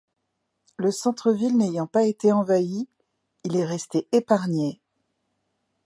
Le centre ville n'ayant pas été envahi, il est resté épargné.